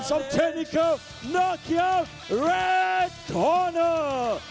ของเทคนิคเกิ้ลนาคียักษ์แรนด์ฮอร์เนอร์